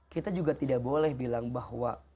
kita juga tidak boleh bilang bahwa